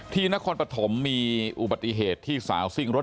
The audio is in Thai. ที่ณครปฐมิมิตรมีอุบัทโหดที่สาวซิ่งรถ